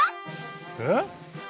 えっ？